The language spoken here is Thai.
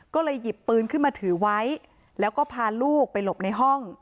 ก็เลยหยิบปืนขึ้นมาถือไว้แล้วก็พาลูกไปหลบในห้อง